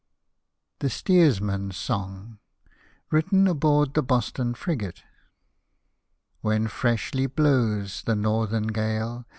THE STEERSMAN'S SONG WRITTEN ABOARD THE BOSTON FRIGATE When freshly blows the northern gale.